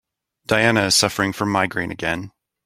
Diana is suffering from migraine again.